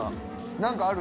何かある？